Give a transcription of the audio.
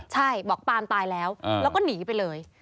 ใช่บอกปาล์มตายแล้วแล้วก็หนีไปเลย